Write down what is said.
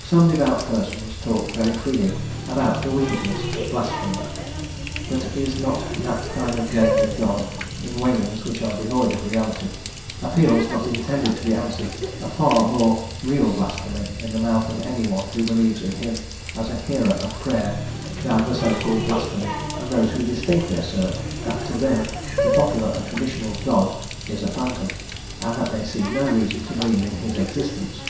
Some devout persons talk very freely about the wickedness of blasphemy, but is not that kind of game with God, in wailings which are devoid of reality, appeals not intended to be answered, a far more real blasphemy in the mouth of any one who believes in Him as a hearer of prayer, than the so called blasphemy of those who distinctly assert that to them the popular and traditional "God" is a phantom, and that they see no reason to believe in His existence?